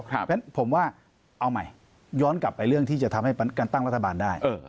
เพราะฉะนั้นผมว่าเอาใหม่ย้อนกลับไปเรื่องที่จะทำให้การตั้งรัฐบาลได้